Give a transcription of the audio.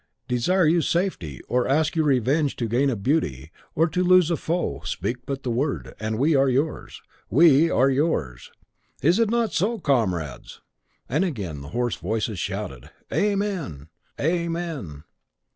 Desire you safety, or ask you revenge to gain a beauty, or to lose a foe, speak but the word, and we are yours: we are yours! Is it not so, comrades?" And again the hoarse voices shouted, "Amen, Amen!"